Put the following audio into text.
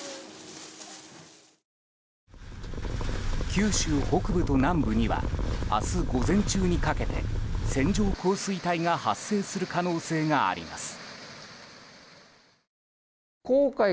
九州北部と南部には明日午前中にかけて線状降水帯が発生する可能性があります。